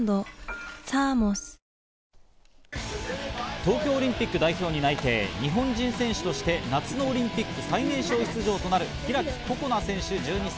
東京オリンピック代表に内定、日本人選手として夏のオリンピック最年少出場となる開心那選手１２歳。